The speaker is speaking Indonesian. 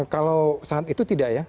kalau saat itu tidak ya